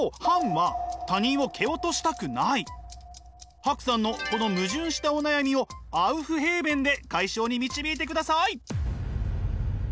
ＨＡＫＵさんのこの矛盾したお悩みをアウフヘーベンで解消に導いてください。